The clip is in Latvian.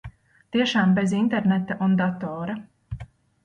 Tiešām bez interneta un datora.